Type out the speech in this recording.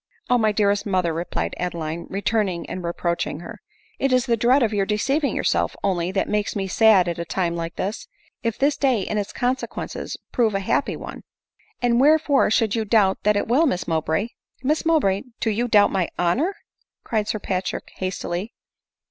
9 '" Oh ! my dearest mother !" replied Adeline, return ing and approaching her, " it is the dread of your de ceiving yourself, only, that makes me sad at a time like this : if this day in its consequences prove a happy one—" " And wherefore should you doubt that it will, Miss Mowbray ?"" Miss Mowbray, do you doubt my honor ?" cried Sir Patrick hastily.